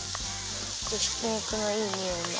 ひき肉のいいにおいだ。